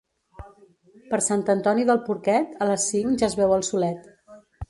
Per Sant Antoni del porquet, a les cinc ja es veu el solet.